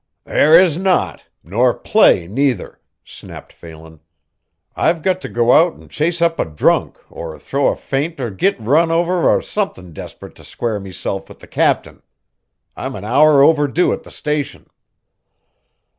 "There is not, nor play neither," snapped Phelan. "I've got to go out and chase up a drunk or throw a faint or git run over or somethin' desperate to square mesilf with the captain. I'm an hour overdue at the station."